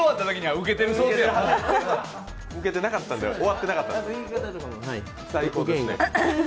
ウケてなかったので、終わってなかった。